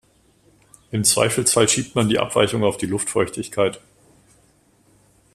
Im Zweifelsfall schiebt man die Abweichung auf die Luftfeuchtigkeit.